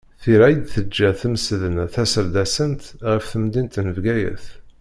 Tira i d-teǧǧa temsedna-taserdasant ɣef temdint n Bgayet.